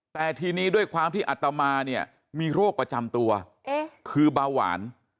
แต่ทีนี้ด้วยความที่อัตมาเนี่ยมีโรคประจำตัวคือเบาหวาน